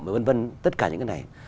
và v v tất cả những cái này